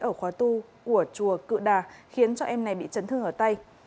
ở khóa tu của chùa cự đà khiến cho em này bị chấn thương ở tay